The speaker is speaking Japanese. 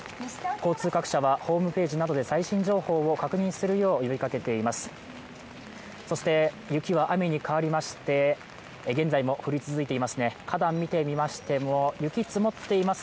交通各社はホームページなどで最新情報を確認するよう呼びかけています。